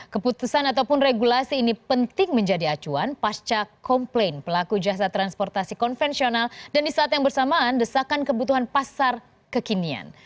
keputusan ataupun regulasi ini penting menjadi acuan pasca komplain pelaku jasa transportasi konvensional dan di saat yang bersamaan desakan kebutuhan pasar kekinian